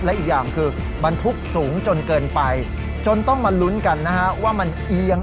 และอีกอย่างคือบรรทุกสูงจนเกินไปจนต้องมาลุ้นกันนะฮะว่ามันเอียง